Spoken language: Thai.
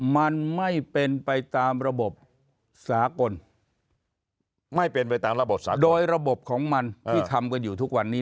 มันไม่เป็นไปตามระบบสากลโดยระบบของมันที่ทำกันอยู่ทุกวันนี้